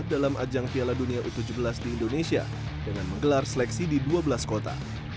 dalam ajang piala dunia u tujuh belas di indonesia dengan menggelar seleksi di dua belas kota